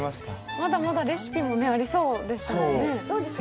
まだまだレシピもありそうですからね。